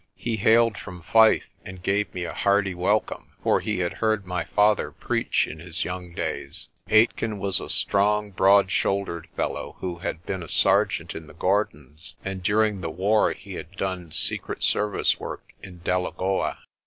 He hailed from Fife and gave me a hearty welcome, for he had heard my father preach in his young days. Aitken was a strong, broad shouldered fellow who had been a sergeant in the Gordons and during the war he had done secret service work in Delagoa.